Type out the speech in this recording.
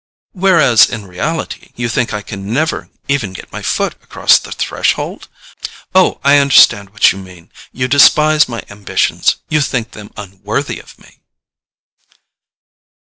"Whereas, in reality, you think I can never even get my foot across the threshold? Oh, I understand what you mean. You despise my ambitions—you think them unworthy of me!"